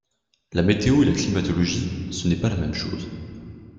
La météo et la climatologie ce n'est pas la même chose.